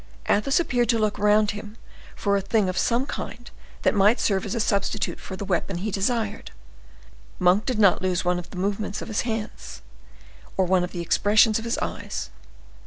Athos appeared to look around him for a thing of some kind that might serve as a substitute for the weapon he desired. Monk did not lose one of the movements of his hands, or one of the expressions of his eyes.